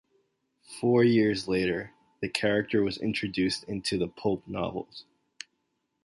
Four years later, the character was introduced into the pulp novels.